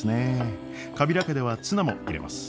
カビラ家ではツナも入れます。